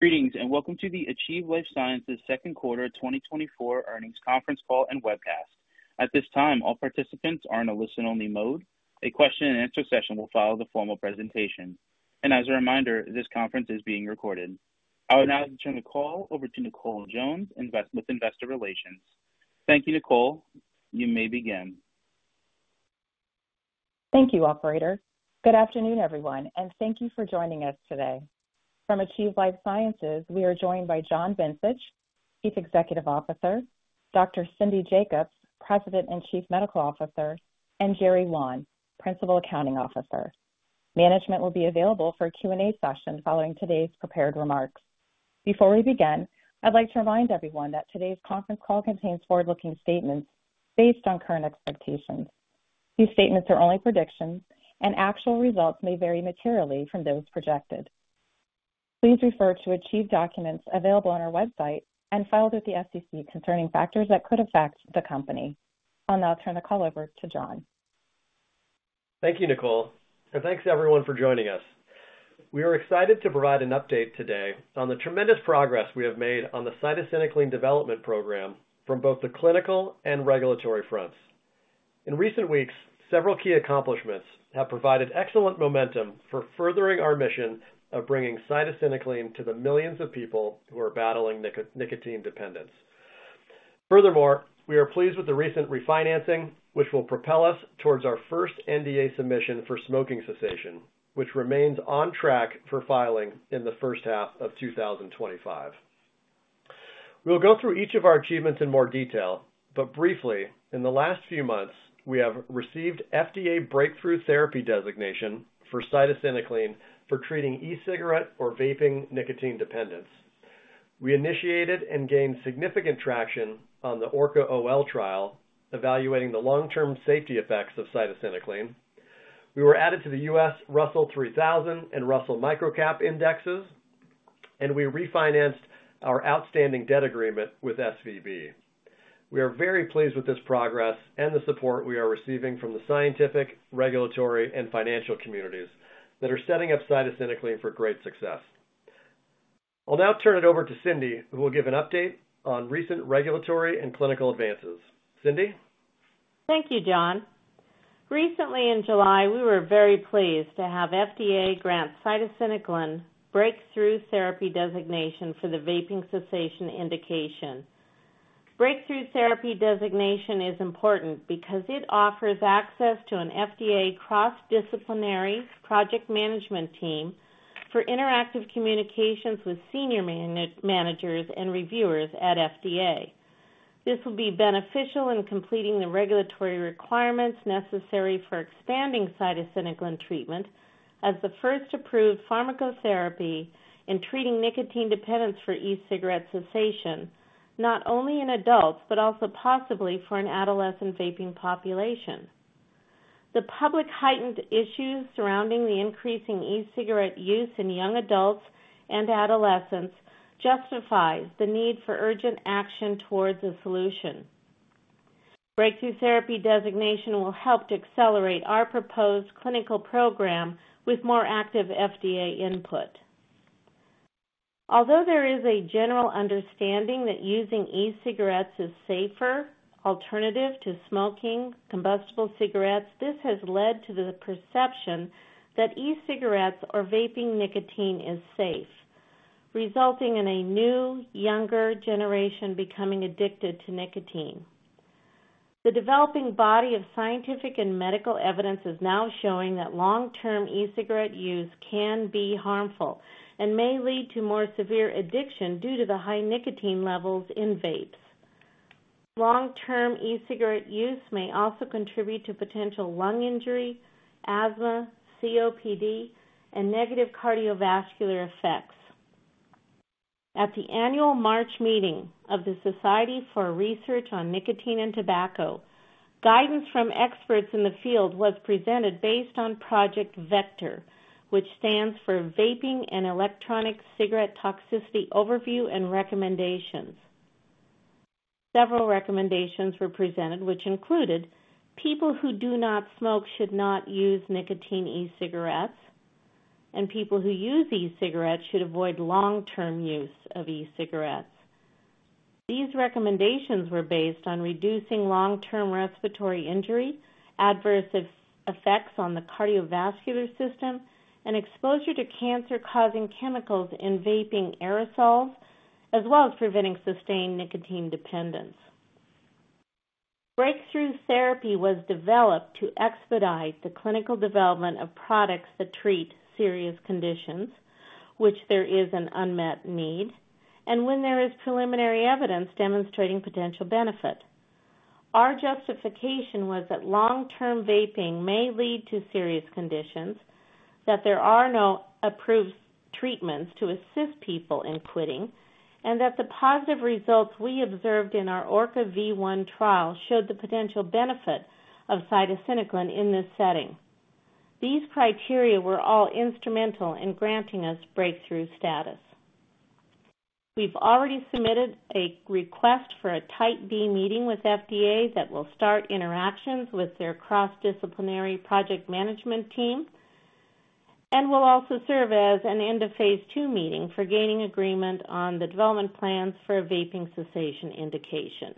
Greetings, and welcome to the Achieve Life Sciences Second Quarter 2024 Earnings Conference Call and Webcast. At this time, all participants are in a listen-only mode. A question and answer session will follow the formal presentation, and as a reminder, this conference is being recorded. I would now turn the call over to Nicole Jones, Investor Relations. Thank you, Nicole. You may begin. Thank you, operator. Good afternoon, everyone, and thank you for joining us today. From Achieve Life Sciences, we are joined by John Bencich, Chief Executive Officer, Dr. Cindy Jacobs, President and Chief Medical Officer, and Jerry Wan, Principal Accounting Officer. Management will be available for a Q&A session following today's prepared remarks. Before we begin, I'd like to remind everyone that today's conference call contains forward-looking statements based on current expectations. These statements are only predictions, and actual results may vary materially from those projected. Please refer to Achieve documents available on our website and filed with the SEC concerning factors that could affect the company. I'll now turn the call over to John. Thank you, Nicole, and thanks to everyone for joining us. We are excited to provide an update today on the tremendous progress we have made on the cytisinicline development program from both the clinical and regulatory fronts. In recent weeks, several key accomplishments have provided excellent momentum for furthering our mission of bringing cytisinicline to the millions of people who are battling nicotine dependence. Furthermore, we are pleased with the recent refinancing, which will propel us towards our first NDA submission for smoking cessation, which remains on track for filing in the first half of 2025. We'll go through each of our achievements in more detail, but briefly, in the last few months, we have received FDA Breakthrough Therapy designation for cytisinicline for treating e-cigarette or vaping nicotine dependence. We initiated and gained significant traction on the ORCA-OL trial, evaluating the long-term safety effects of cytisinicline. We were added to the U.S. Russell 3000 Index and Russell Microcap Index, and we refinanced our outstanding debt agreement with SVB. We are very pleased with this progress and the support we are receiving from the scientific, regulatory, and financial communities that are setting up cytisinicline for great success. I'll now turn it over to Cindy, who will give an update on recent regulatory and clinical advances. Cindy? Thank you, John. Recently, in July, we were very pleased to have FDA grant cytisinicline Breakthrough Therapy designation for the vaping cessation indication. Breakthrough Therapy designation is important because it offers access to an FDA cross-disciplinary project management team for interactive communications with senior managers and reviewers at FDA. This will be beneficial in completing the regulatory requirements necessary for expanding cytisinicline treatment as the first approved pharmacotherapy in treating nicotine dependence for e-cigarette cessation, not only in adults, but also possibly for an adolescent vaping population. The public's heightened issues surrounding the increasing e-cigarette use in young adults and adolescents justifies the need for urgent action towards a solution. Breakthrough Therapy designation will help to accelerate our proposed clinical program with more active FDA input. Although there is a general understanding that using e-cigarettes is safer alternative to smoking combustible cigarettes, this has led to the perception that e-cigarettes or vaping nicotine is safe, resulting in a new, younger generation becoming addicted to nicotine. The developing body of scientific and medical evidence is now showing that long-term e-cigarette use can be harmful and may lead to more severe addiction due to the high nicotine levels in vapes. Long-term e-cigarette use may also contribute to potential lung injury, asthma, COPD, and negative cardiovascular effects. At the annual March meeting of the Society for Research on Nicotine and Tobacco, guidance from experts in the field was presented based on Project VECTOR, which stands for Vaping and Electronic Cigarette Toxicity Overview and Recommendations. Several recommendations were presented which included people who do not smoke should not use nicotine e-cigarettes, and people who use e-cigarettes should avoid long-term use of e-cigarettes. These recommendations were based on reducing long-term respiratory injury, adverse effects on the cardiovascular system, and exposure to cancer-causing chemicals in vaping aerosols, as well as preventing sustained nicotine dependence. Breakthrough Therapy was developed to expedite the clinical development of products that treat serious conditions which there is an unmet need, and when there is preliminary evidence demonstrating potential benefit. Our justification was that long-term vaping may lead to serious conditions, that there are no approved treatments to assist people in quitting, and that the positive results we observed in our ORCA-V1 trial showed the potential benefit of cytisinicline in this setting. These criteria were all instrumental in granting us breakthrough status. We've already submitted a request for a Type B meeting with FDA that will start interactions with their cross-disciplinary project management team, and will also serve as an end of Phase 2 meeting for gaining agreement on the development plans for a vaping cessation indication.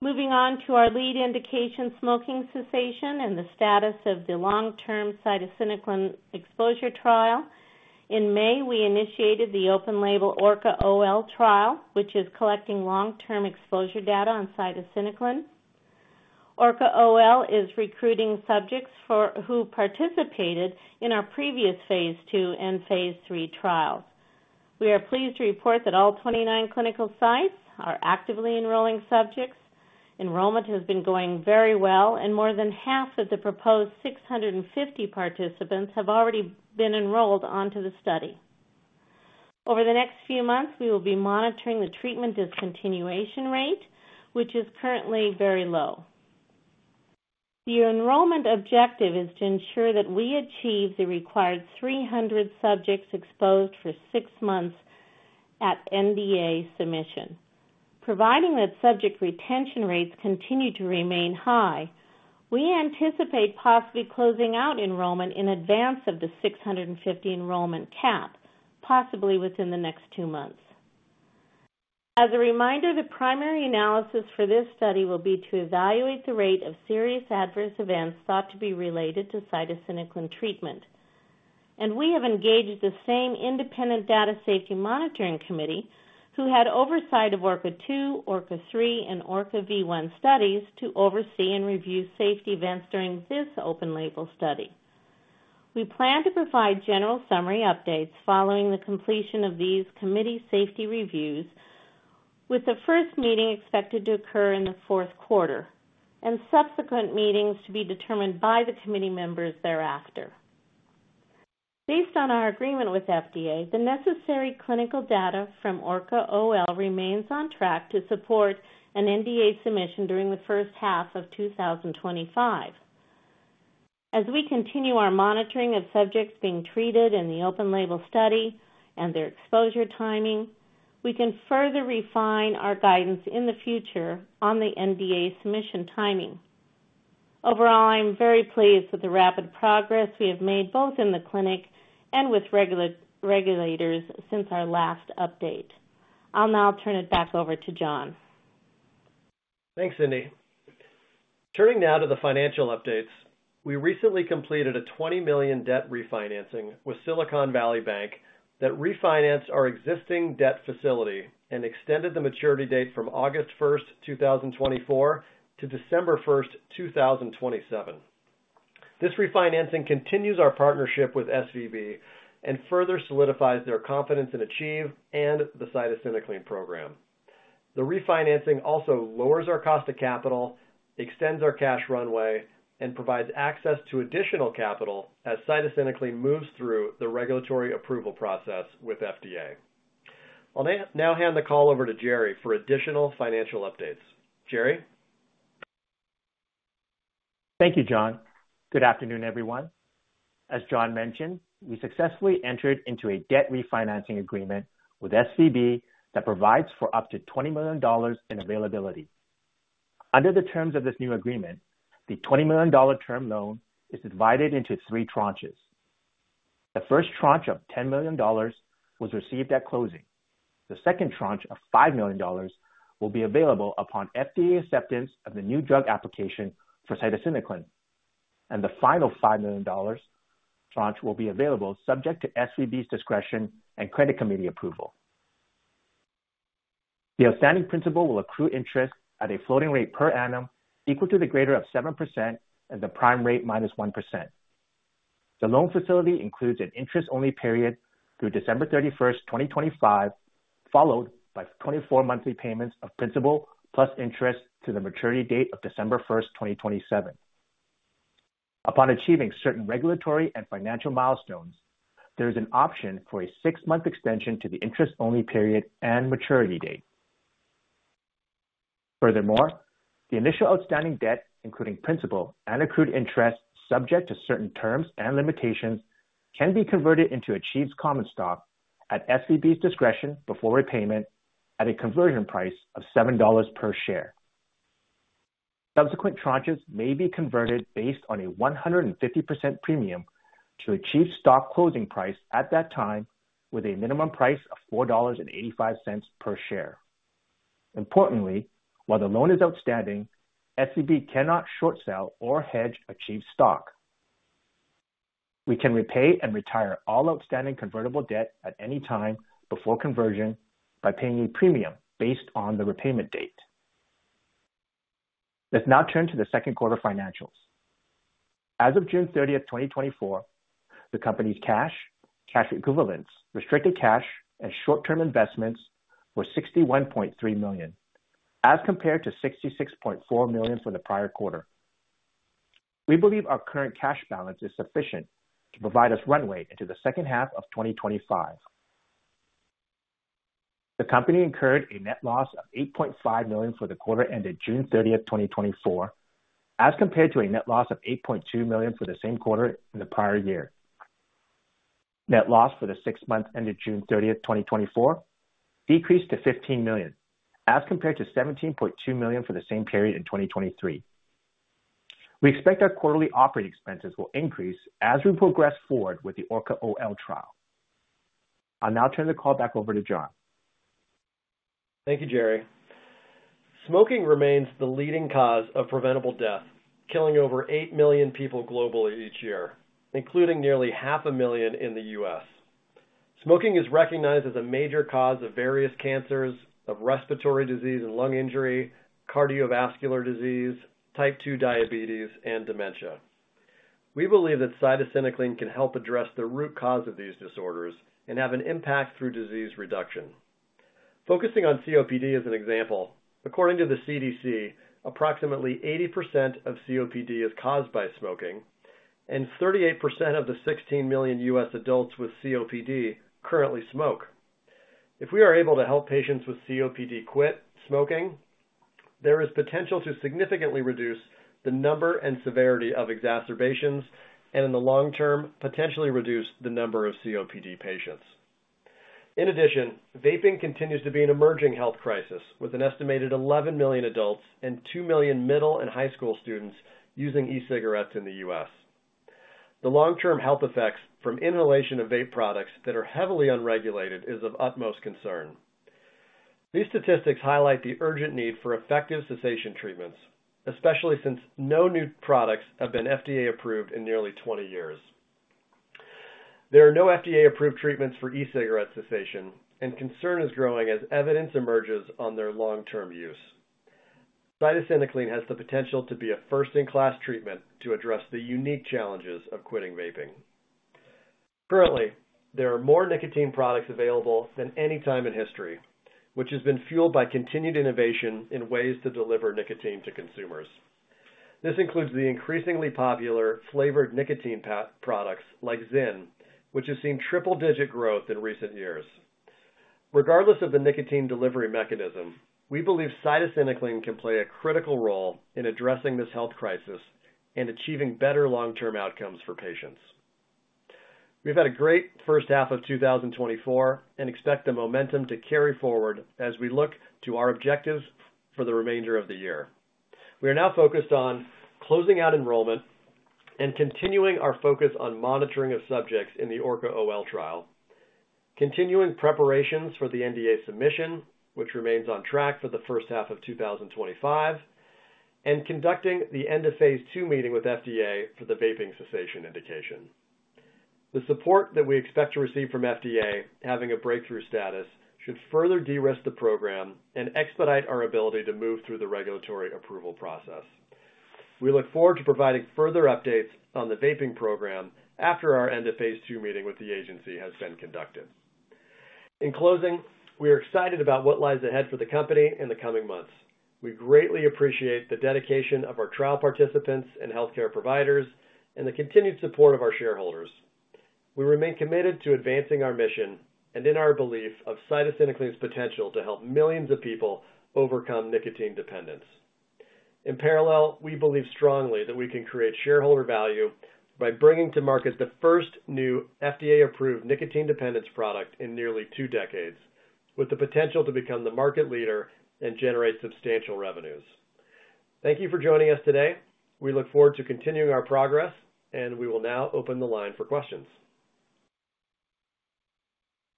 Moving on to our lead indication, smoking cessation, and the status of the long-term cytisinicline exposure trial. In May, we initiated the open-label ORCA-OL trial, which is collecting long-term exposure data on cytisinicline. ORCA-OL is recruiting subjects who participated in our previous Phase 2 and Phase 3 trials. We are pleased to report that all 29 clinical sites are actively enrolling subjects. Enrollment has been going very well, and more than half of the proposed 650 participants have already been enrolled onto the study. Over the next few months, we will be monitoring the treatment discontinuation rate, which is currently very low. The enrollment objective is to ensure that we achieve the required 300 subjects exposed for 6 months at NDA submission. Providing that subject retention rates continue to remain high, we anticipate possibly closing out enrollment in advance of the 650 enrollment cap, possibly within the next 2 months. As a reminder, the primary analysis for this study will be to evaluate the rate of serious adverse events thought to be related to cytisinicline treatment, and we have engaged the same independent Data Safety Monitoring Committee, who had oversight of ORCA-2, ORCA-3, and ORCA-V1 studies to oversee and review safety events during this open-label study. We plan to provide general summary updates following the completion of these committee safety reviews, with the first meeting expected to occur in the fourth quarter and subsequent meetings to be determined by the committee members thereafter. Based on our agreement with FDA, the necessary clinical data from ORCA-OL remains on track to support an NDA submission during the first half of 2025. As we continue our monitoring of subjects being treated in the open-label study and their exposure timing, we can further refine our guidance in the future on the NDA submission timing. Overall, I'm very pleased with the rapid progress we have made, both in the clinic and with regulators since our last update. I'll now turn it back over to John. Thanks, Cindy. Turning now to the financial updates. We recently completed a $20 million debt refinancing with Silicon Valley Bank that refinanced our existing debt facility and extended the maturity date from August 1, 2024, to December 1, 2027. This refinancing continues our partnership with SVB and further solidifies their confidence in Achieve and the cytisinicline program. The refinancing also lowers our cost of capital, extends our cash runway, and provides access to additional capital as cytisinicline moves through the regulatory approval process with FDA. I'll now hand the call over to Jerry for additional financial updates. Jerry? Thank you, John. Good afternoon, everyone. As John mentioned, we successfully entered into a debt refinancing agreement with SVB that provides for up to $20 million in availability. Under the terms of this new agreement, the $20 million term loan is divided into three tranches. The first tranche of $10 million was received at closing. The second tranche of $5 million will be available upon FDA acceptance of the new drug application for cytisinicline, and the final $5 million tranche will be available subject to SVB's discretion and credit committee approval. The outstanding principal will accrue interest at a floating rate per annum, equal to the greater of 7% and the prime rate minus 1%. The loan facility includes an interest-only period through December 31, 2025, followed by 24 monthly payments of principal plus interest to the maturity date of December 1, 2027. Upon achieving certain regulatory and financial milestones, there is an option for a 6-month extension to the interest-only period and maturity date. Furthermore, the initial outstanding debt, including principal and accrued interest, subject to certain terms and limitations, can be converted into Achieve's common stock at SVB's discretion before repayment at a conversion price of $7 per share. Subsequent tranches may be converted based on a 150% premium to Achieve's stock closing price at that time, with a minimum price of $4.85 per share. Importantly, while the loan is outstanding, SVB cannot short sell or hedge Achieve's stock. We can repay and retire all outstanding convertible debt at any time before conversion by paying a premium based on the repayment date. Let's now turn to the second quarter financials. As of June 30, 2024, the company's cash, cash equivalents, restricted cash, and short-term investments were $61.3 million, as compared to $66.4 million from the prior quarter. We believe our current cash balance is sufficient to provide us runway into the second half of 2025. The company incurred a net loss of $8.5 million for the quarter ended June 30, 2024, as compared to a net loss of $8.2 million for the same quarter in the prior year. Net loss for the six months ended June 30, 2024, decreased to $15 million, as compared to $17.2 million for the same period in 2023. We expect our quarterly operating expenses will increase as we progress forward with the ORCA-OL trial. I'll now turn the call back over to John. Thank you, Jerry. Smoking remains the leading cause of preventable death, killing over 8 million people globally each year, including nearly 500,000 in the U.S. Smoking is recognized as a major cause of various cancers, of respiratory disease and lung injury, cardiovascular disease, type 2 diabetes, and dementia. We believe that cytisinicline can help address the root cause of these disorders and have an impact through disease reduction. Focusing on COPD as an example, according to the CDC, approximately 80% of COPD is caused by smoking and 38% of the 16 million U.S. adults with COPD currently smoke. If we are able to help patients with COPD quit smoking, there is potential to significantly reduce the number and severity of exacerbations, and in the long term, potentially reduce the number of COPD patients. In addition, vaping continues to be an emerging health crisis, with an estimated 11 million adults and 2 million middle and high school students using e-cigarettes in the U.S. The long-term health effects from inhalation of vape products that are heavily unregulated is of utmost concern. These statistics highlight the urgent need for effective cessation treatments, especially since no new products have been FDA approved in nearly 20 years. There are no FDA-approved treatments for e-cigarette cessation, and concern is growing as evidence emerges on their long-term use. Cytisinicline has the potential to be a first-in-class treatment to address the unique challenges of quitting vaping. Currently, there are more nicotine products available than any time in history, which has been fueled by continued innovation in ways to deliver nicotine to consumers. This includes the increasingly popular flavored nicotine products like ZYN, which has seen triple-digit growth in recent years. Regardless of the nicotine delivery mechanism, we believe cytisinicline can play a critical role in addressing this health crisis and achieving better long-term outcomes for patients. We've had a great first half of 2024 and expect the momentum to carry forward as we look to our objectives for the remainder of the year. We are now focused on closing out enrollment and continuing our focus on monitoring of subjects in the ORCA-OL trial, continuing preparations for the NDA submission, which remains on track for the first half of 2025, and conducting the end of Phase 2 meeting with FDA for the vaping cessation indication. The support that we expect to receive from FDA, having a breakthrough status, should further de-risk the program and expedite our ability to move through the regulatory approval process. We look forward to providing further updates on the vaping program after our end of Phase 2 meeting with the agency has been conducted. In closing, we are excited about what lies ahead for the company in the coming months. We greatly appreciate the dedication of our trial participants and healthcare providers and the continued support of our shareholders. We remain committed to advancing our mission and in our belief of cytisinicline's potential to help millions of people overcome nicotine dependence. In parallel, we believe strongly that we can create shareholder value by bringing to market the first new FDA-approved nicotine dependence product in nearly 2 decades, with the potential to become the market leader and generate substantial revenues. Thank you for joining us today. We look forward to continuing our progress, and we will now open the line for questions.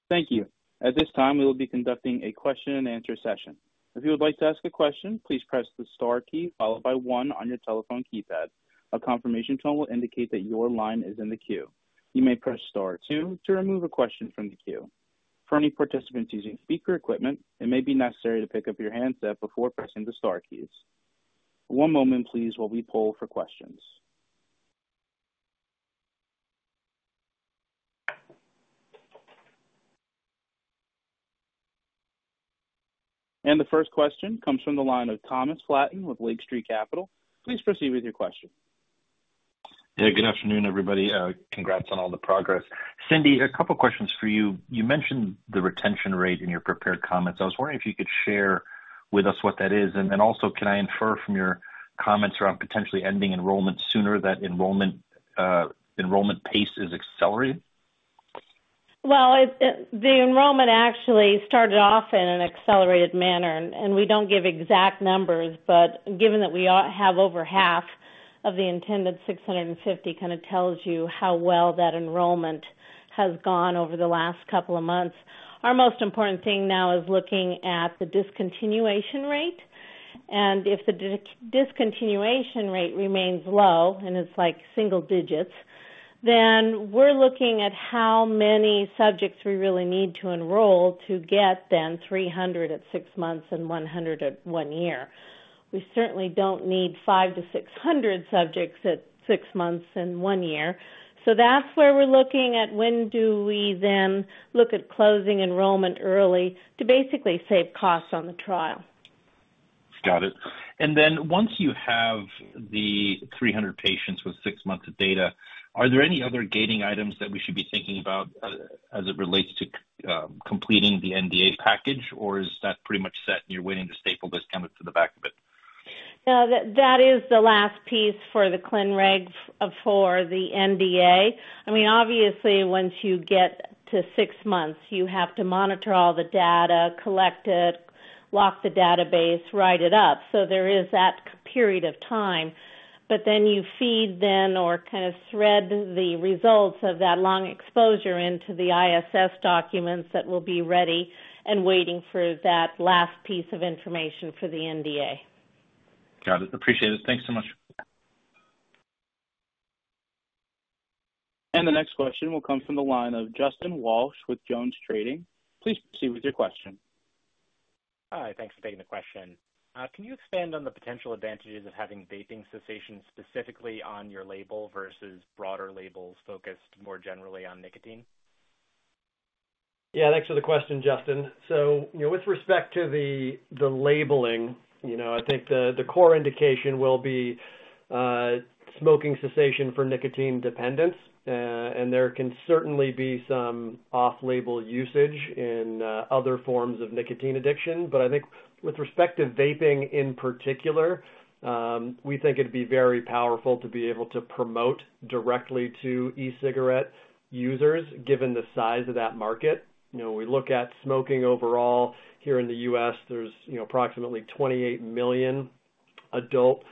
Thank you. At this time, we will be conducting a question-and-answer session. If you would like to ask a question, please press the star key followed by one on your telephone keypad. A confirmation tone will indicate that your line is in the queue. You may press star two to remove a question from the queue. For any participants using speaker equipment, it may be necessary to pick up your handset before pressing the star keys. One moment, please, while we poll for questions. The first question comes from the line of Thomas Flaten with Lake Street Capital. Please proceed with your question. Yeah, good afternoon, everybody. Congrats on all the progress. Cindy, a couple questions for you. You mentioned the retention rate in your prepared comments. I was wondering if you could share with us what that is, and also, can I infer from your comments around potentially ending enrollment sooner that enrollment pace is accelerating? Well, the enrollment actually started off in an accelerated manner, and we don't give exact numbers, but given that we have over half of the intended 650 kind of tells you how well that enrollment has gone over the last couple of months. Our most important thing now is looking at the discontinuation rate, and if the discontinuation rate remains low, and it's like single digits, then we're looking at how many subjects we really need to enroll to get then 300 at six months and 100 at one year. We certainly don't need 500-600 subjects at six months and one year. So that's where we're looking at when do we then look at closing enrollment early to basically save costs on the trial? Got it. And then once you have the 300 patients with 6 months of data, are there any other gating items that we should be thinking about, as it relates to, completing the NDA package? Or is that pretty much set, and you're waiting to staple this template to the back of it? No, that is the last piece for the clin reg for the NDA. I mean, obviously, once you get to six months, you have to monitor all the data, collect it, lock the database, write it up. So there is that period of time, but then you feed them or kind of thread the results of that long exposure into the ISS documents that will be ready and waiting for that last piece of information for the NDA. Got it. Appreciate it. Thanks so much. The next question will come from the line of Justin Walsh with JonesTrading. Please proceed with your question. Hi, thanks for taking the question. Can you expand on the potential advantages of having vaping cessation specifically on your label versus broader labels focused more generally on nicotine? Yeah, thanks for the question, Justin. So, you know, with respect to the labeling, you know, I think the core indication will be smoking cessation for nicotine dependence. And there can certainly be some off-label usage in other forms of nicotine addiction. But I think with respect to vaping in particular, we think it'd be very powerful to be able to promote directly to e-cigarette users, given the size of that market. You know, we look at smoking overall here in the U.S., there's, you know, approximately 28 million adult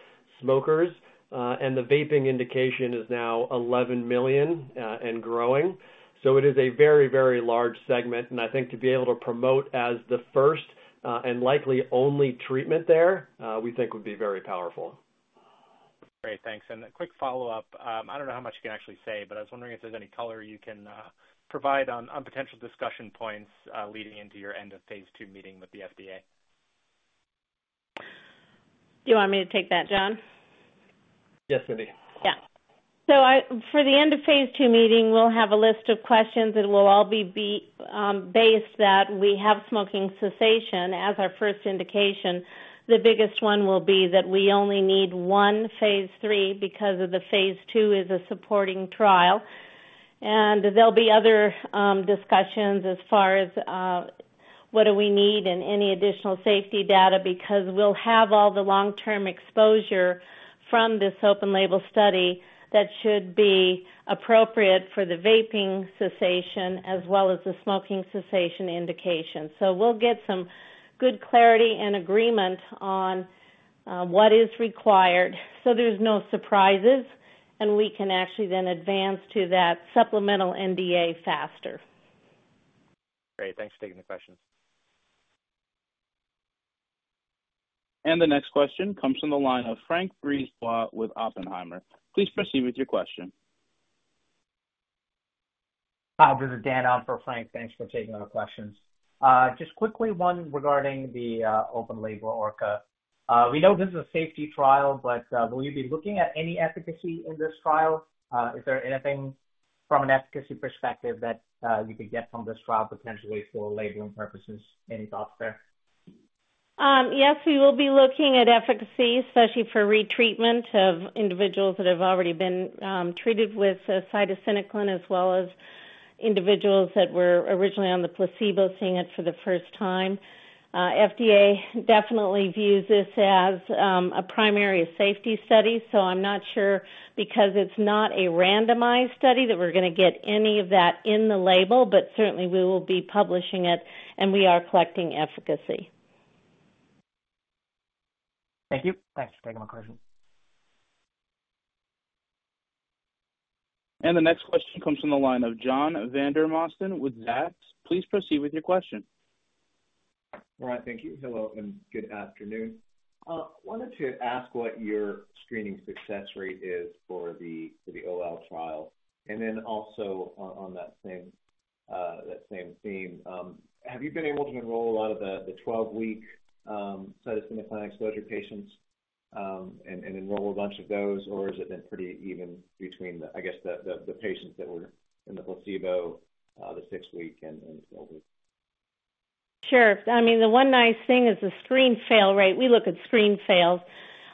smokers, and the vaping indication is now 11 million, and growing. So it is a very, very large segment, and I think to be able to promote as the first and likely only treatment there, we think would be very powerful. Great, thanks. And a quick follow-up. I don't know how much you can actually say, but I was wondering if there's any color you can provide on, on potential discussion points, leading into your end-of-Phase 2 meeting with the FDA. Do you want me to take that, John? Yes, Cindy. Yeah. So for the end-of-Phase 2 meeting, we'll have a list of questions, and we'll all be based that we have smoking cessation as our first indication. The biggest one will be that we only need one Phase 3, because the Phase 2 is a supporting trial. And there'll be other discussions as far as what do we need and any additional safety data, because we'll have all the long-term exposure from this open-label study that should be appropriate for the vaping cessation as well as the smoking cessation indication. So we'll get some good clarity and agreement on what is required, so there's no surprises, and we can actually then advance to that supplemental NDA faster. Great, thanks for taking the question. The next question comes from the line of François Brisebois with Oppenheimer. Please proceed with your question. Hi, this is Dan on for Frank. Thanks for taking our questions. Just quickly, one regarding the open-label ORCA. We know this is a safety trial, but will you be looking at any efficacy in this trial? Is there anything from an efficacy perspective that you could get from this trial, potentially for labeling purposes? Any thoughts there? Yes, we will be looking at efficacy, especially for retreatment of individuals that have already been treated with cytisinicline, as well as individuals that were originally on the placebo, seeing it for the first time. FDA definitely views this as a primary safety study, so I'm not sure because it's not a randomized study, that we're gonna get any of that in the label, but certainly we will be publishing it, and we are collecting efficacy. Thank you. Thanks for taking my question. The next question comes from the line of John Vandermosten with Zacks. Please proceed with your question. All right. Thank you. Hello, and good afternoon. Wanted to ask what your screening success rate is for the, for the OL trial. And then also on, on that same, that same theme, have you been able to enroll a lot of the, the 12-week, cytisinicline exposure patients, and, and enroll a bunch of those? Or has it been pretty even between the, I guess, the, the, the patients that were in the placebo, the 6-week and, and 12-week? Sure. I mean, the one nice thing is the screen fail rate. We look at screen fails.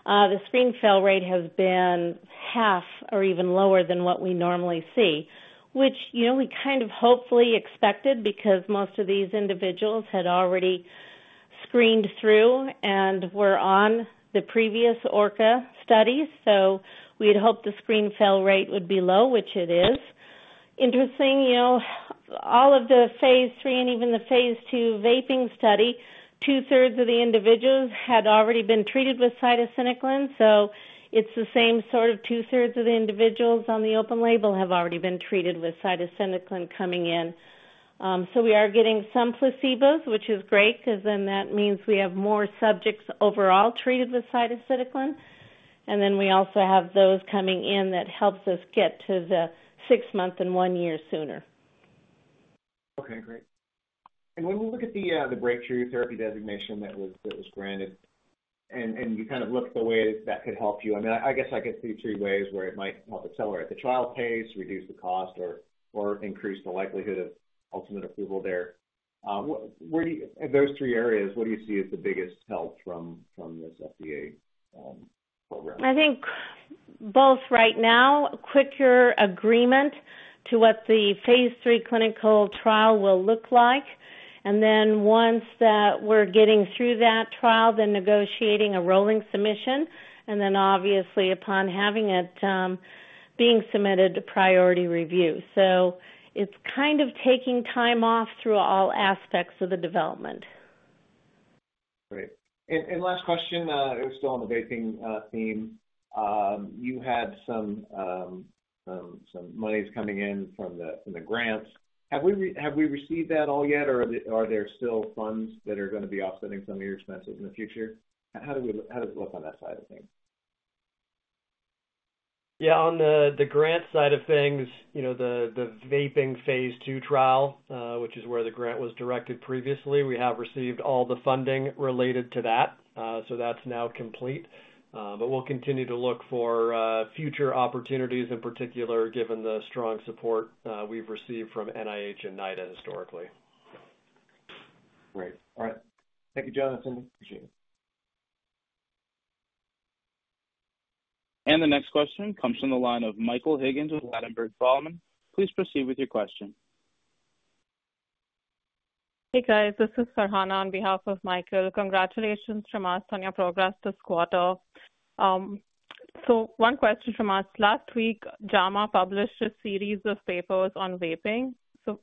The screen fail rate has been half or even lower than what we normally see, which, you know, we kind of hopefully expected, because most of these individuals had already screened through and were on the previous ORCA study. So we'd hoped the screen fail rate would be low, which it is. Interesting, you know, all of the Phase 3 and even the Phase 2 vaping study, two-thirds of the individuals had already been treated with cytisinicline, so it's the same sort of two-thirds of the individuals on the open-label have already been treated with cytisinicline coming in. So, we are getting some placebos, which is great, because then that means we have more subjects overall treated with cytisinicline, and then we also have those coming in that helps us get to the 6-month and 1-year sooner. Okay, great. And when we look at the Breakthrough Therapy designation that was granted, and you kind of look at the way that could help you, I mean, I guess I could see three ways where it might help accelerate the trial pace, reduce the cost, or increase the likelihood of ultimate approval there. Where do you—of those three areas, what do you see as the biggest help from this FDA program? Both right now, quicker agreement to what the Phase 3 clinical trial will look like, and then once that we're getting through that trial, then negotiating a rolling submission, and then obviously upon having it, being submitted to priority review. So it's kind of taking time off through all aspects of the development. Great. And last question, still on the vaping theme. You had some monies coming in from the grants. Have we received that all yet, or are there still funds that are going to be offsetting some of your expenses in the future? How does it look on that side of things? Yeah, on the grant side of things, you know, the vaping Phase 2 trial, which is where the grant was directed previously, we have received all the funding related to that. So that's now complete. But we'll continue to look for future opportunities in particular, given the strong support we've received from NIH and NIDA historically. Great. All right. Thank you, Jonathan. Appreciate it. The next question comes from the line of Michael Higgins with Ladenburg Thalmann. Please proceed with your question. Hey, guys, this is Farhana on behalf of Michael. Congratulations from us on your progress this quarter. One question from us. Last week, JAMA published a series of papers on vaping.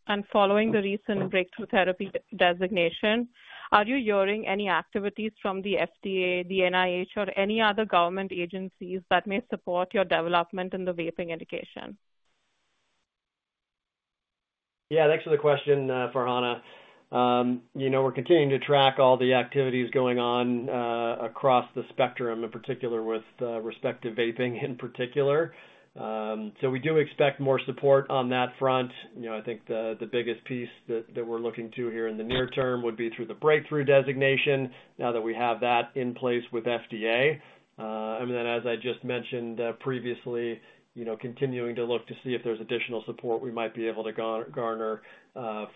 And following the recent Breakthrough Therapy designation, are you hearing any activities from the FDA, the NIH, or any other government agencies that may support your development in the vaping indication? Yeah, thanks for the question, Farhana. You know, we're continuing to track all the activities going on across the spectrum, in particular with respect to vaping in particular. So we do expect more support on that front. You know, I think the biggest piece that we're looking to here in the near term would be through the breakthrough designation, now that we have that in place with FDA. And then, as I just mentioned previously, you know, continuing to look to see if there's additional support we might be able to garner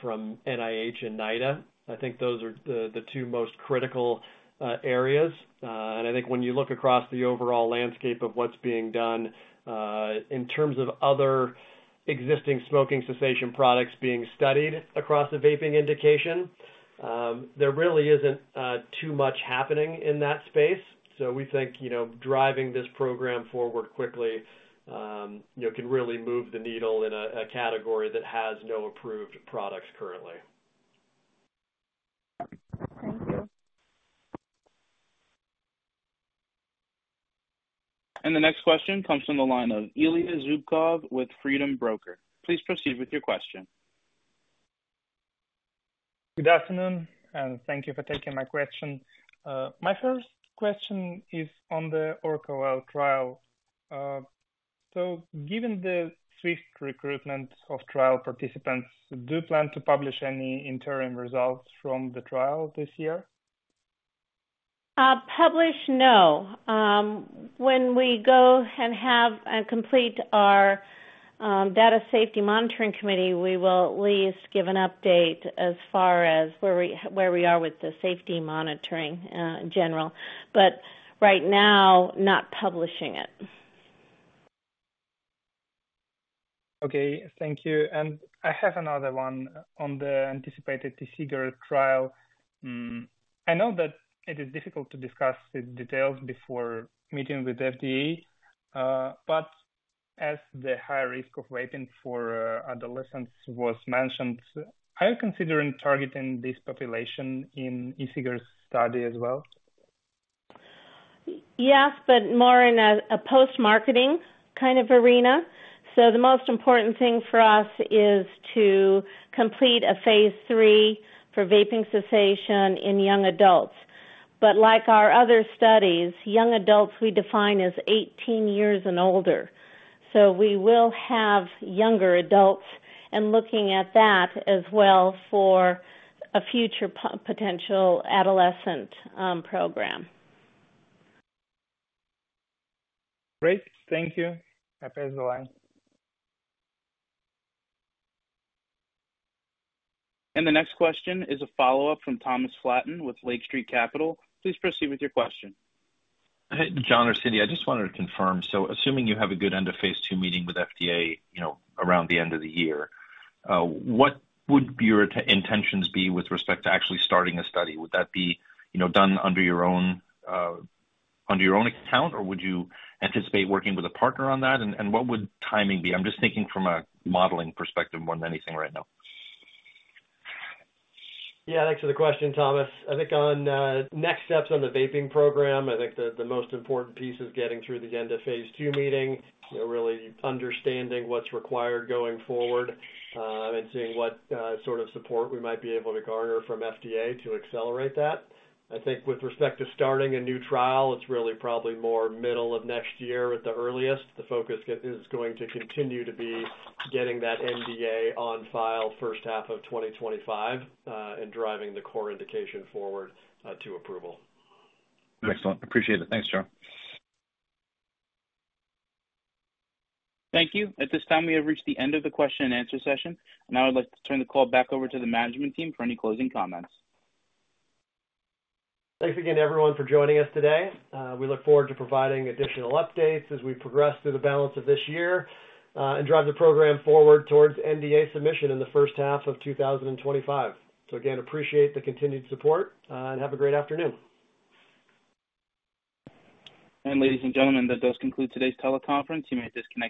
from NIH and NIDA. I think those are the two most critical areas. And I think when you look across the overall landscape of what's being done, in terms of other existing smoking cessation products being studied across the vaping indication, there really isn't too much happening in that space. So we think, you know, driving this program forward quickly, you know, can really move the needle in a category that has no approved products currently. Thank you. The next question comes from the line of Ilya Zubkov with Freedom Broker. Please proceed with your question. Good afternoon, and thank you for taking my question. My first question is on the ORCA-2 trial. So given the swift recruitment of trial participants, do you plan to publish any interim results from the trial this year? Publish? No. When we go and have and complete our Data Safety Monitoring Committee, we will at least give an update as far as where we, where we are with the safety monitoring in general, but right now, not publishing it. Okay, thank you. I have another one on the anticipated e-cigarette trial. I know that it is difficult to discuss the details before meeting with FDA, but as the higher risk of vaping for adolescents was mentioned, are you considering targeting this population in e-cigarettes study as well? Yes, but more in a post-marketing kind of arena. So the most important thing for us is to complete a Phase 3 for vaping cessation in young adults. But like our other studies, young adults we define as 18 years and older. So we will have younger adults and looking at that as well for a future potential adolescent program. Great. Thank you. I pass the line. The next question is a follow-up from Thomas Flaten with Lake Street Capital Markets. Please proceed with your question. John or Cindy, I just wanted to confirm. So assuming you have a good end of Phase 2 meeting with FDA, you know, around the end of the year, what would be your intentions be with respect to actually starting a study? Would that be, you know, done under your own account, or would you anticipate working with a partner on that? And what would timing be? I'm just thinking from a modeling perspective more than anything right now. Yeah, thanks for the question, Thomas. I think on next steps on the vaping program, I think the most important piece is getting through the end of Phase 2 meeting, you know, really understanding what's required going forward, and seeing what sort of support we might be able to garner from FDA to accelerate that. I think with respect to starting a new trial, it's really probably more middle of next year at the earliest. The focus is going to continue to be getting that NDA on file first half of 2025, and driving the core indication forward, to approval. Excellent. Appreciate it. Thanks, John. Thank you. At this time, we have reached the end of the question and answer session, and now I'd like to turn the call back over to the management team for any closing comments. Thanks again, everyone, for joining us today. We look forward to providing additional updates as we progress through the balance of this year, and drive the program forward towards NDA submission in the first half of 2025. So again, appreciate the continued support, and have a great afternoon. Ladies and gentlemen, that does conclude today's teleconference. You may disconnect your lines.